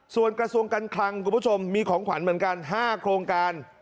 ส่วนกระทรวงกันคลังมีของขวัญเหมือนกัน๕โครงการ